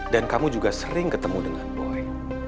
dan kamu juga sering ketemu dengan boy